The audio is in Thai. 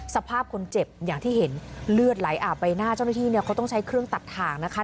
สภาพคนเจ็บอย่างที่เห็นเลือดไหลอาบใบหน้าเจ้าหน้าที่เนี่ยเขาต้องใช้เครื่องตัดทางนะคะ